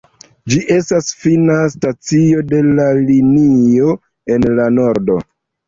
Ĝi estas fina stacio de la linio en la nordo.